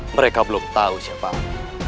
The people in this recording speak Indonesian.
mereka belum tahu siapa